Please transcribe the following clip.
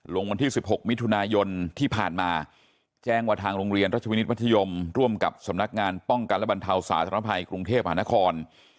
วันที่๑๖มิถุนายนที่ผ่านมาแจ้งว่าทางโรงเรียนรัชวินิตมัธยมร่วมกับสำนักงานป้องกันและบรรเทาสาธารณภัยกรุงเทพหานคร